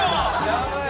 「やばい」